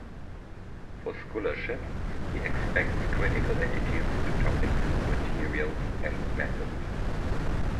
For scholarship he expects critical attitudes to topics, materials and methods.